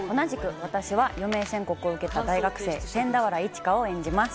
同じく私は余命宣告を受けた大学生・千田原一花を演じます。